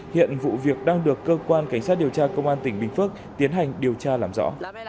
hiện vụ việc đang được cơ quan cảnh sát điều tra công an tỉnh bình phước tiến hành điều tra làm rõ